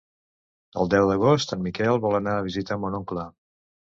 El deu d'agost en Miquel vol anar a visitar mon oncle.